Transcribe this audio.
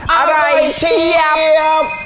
อะไรเชียบ